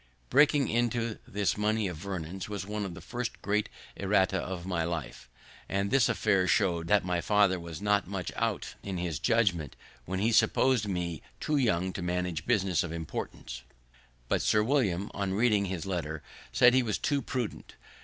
The breaking into this money of Vernon's was one of the first great errata of my life; and this affair show'd that my father was not much out in his judgment when he suppos'd me too young to manage business of importance. But Sir William, on reading his letter, said he was too prudent.